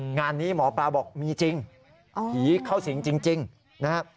งานนี้หมอปลาบอกมีจริงผีเข้าสิงจริงนะฮะ